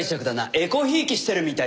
えこひいきしてるみたいだ。